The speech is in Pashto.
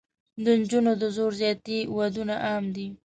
د نجونو د زور زیاتي ودونه عام دي.